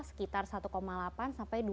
sekitar satu delapan sampai